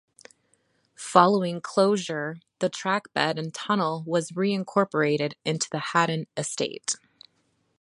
Following closure, the trackbed and tunnel was reincorporated into the Haddon Estate.